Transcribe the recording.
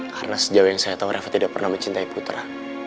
karena sejauh yang saya tahu reva tidak pernah mencintai putra